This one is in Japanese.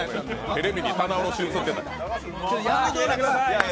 テレビに棚卸し映ってた。